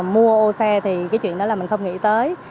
mua ô xe thì cái chuyện đó là mình không nghĩ tới